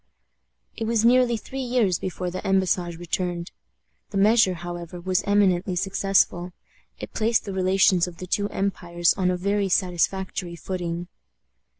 It was nearly three years before the embassage returned. The measure, however, was eminently successful. It placed the relations of the two empires on a very satisfactory footing.